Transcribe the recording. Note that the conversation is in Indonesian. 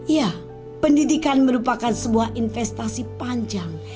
ya pendidikan merupakan sebuah investasi panjang